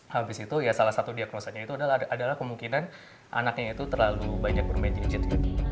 habis itu ya salah satu diagnosanya itu adalah kemungkinan anaknya itu terlalu banyak bermain gadget